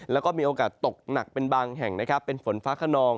แล้วก็มีโอกาสตกหนักเป็นบางแห่งนะครับเป็นฝนฟ้าขนอง